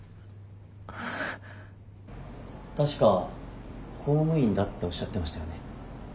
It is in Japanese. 確か公務員だっておっしゃってましたよね？